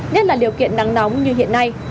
nhất là điều kiện nắng nóng như hiện nay